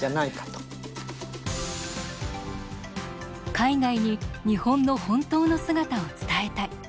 海外に日本の本当の姿を伝えたい。